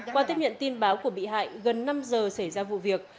qua tiếp nhận tin báo của bị hại gần năm giờ xảy ra vụ việc